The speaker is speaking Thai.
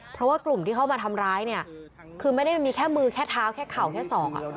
เพราะว่ากลุ่มที่เข้ามาทำร้ายเนี่ยคือไม่ได้มีแค่มือแค่เท้าแค่เข่าแค่ศอก